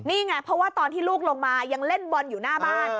นี่ไงเพราะว่าตอนที่ลูกลงมายังเล่นบอลอยู่หน้าบ้าน